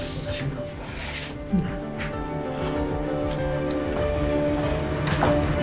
terima kasih dok